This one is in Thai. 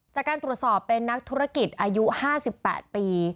จากการตรวจสอบเป็นนักธุรกิจอายุ๕๘ปี